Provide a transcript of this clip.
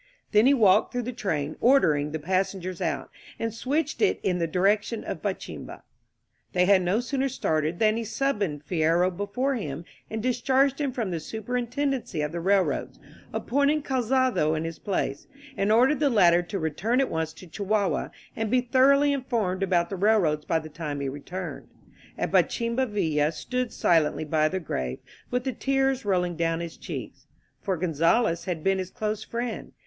Then he walked through the train, ordering the passengers out, and switched it in the direction of Bachimba. They had no sooner started than he Summoned Fierro before him and discharged him from the superintendency of the railroads, appoint ing Calzado in his place, and ordered the latter to re* tuhi at once to Chihuahua and be thoroughly informed about the railroads by the time he returned. At Ba chimba Villa stood silently by the grave with the tears rolling down his cheeks. For Gonzales had been his close friend.